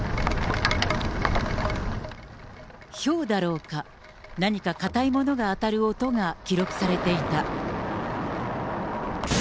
ひょうだろうか、何か硬いものが当たる音が記録されていた。